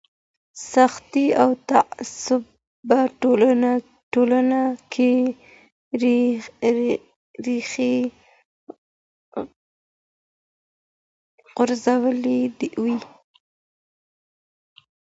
سختي او تعصب په ټولنه کي ريښې غځولې وې.